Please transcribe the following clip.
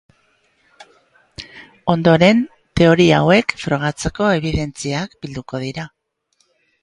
Ondoren, teoria hauek frogatzeko ebidentziak bilduko dira.